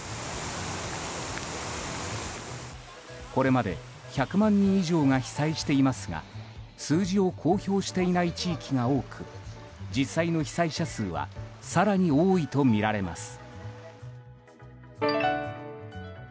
これまで１００万人以上が被災していますが数字を公表していない地域が多く実際の被災者数は更に多いとみられます。